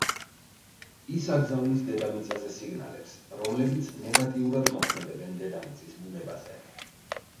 ის აგზავნის დედამიწაზე სიგნალებს, რომლებიც ნეგატიურად მოქმედებენ დედამიწის ბუნებაზე.